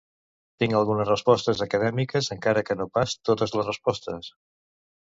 Tinc algunes respostes acadèmiques, encara que no pas totes les respostes.